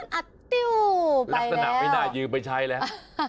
ไปแล้วลักษณะไม่ได้ยืมไปใช้แล้ว